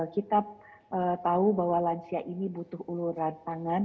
kita tahu bahwa lansia ini butuh uluran tangan